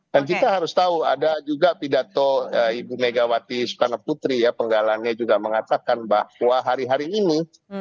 dan kita harus tahu ada juga pidato ibu megawati sukarno putri penggalannya juga mengatakan bahwa hari hari ini